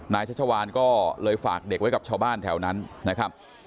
ชัชวานก็เลยฝากเด็กไว้กับชาวบ้านแถวนั้นนะครับ